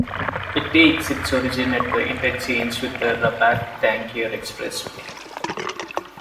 It takes its origin at the interchange with the Rabat-Tangier expressway.